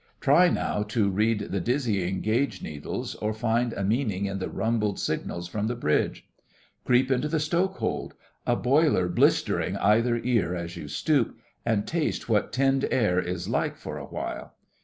Try now to read the dizzying gauge needles or find a meaning in the rumbled signals from the bridge. Creep into the stoke hold—a boiler blistering either ear as you stoop—and taste what tinned air is like for a while.